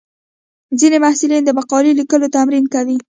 ځینې محصلین د مقالې لیکلو تمرین کوي.